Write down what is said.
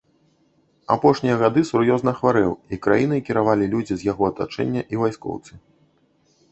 Апошнія гады сур'ёзна хварэў, і краінай кіравалі людзі з яго атачэння і вайскоўцы.